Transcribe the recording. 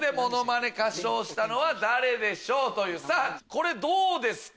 これどうですか？